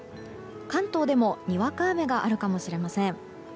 関東でもにわか雨があるかもしれません。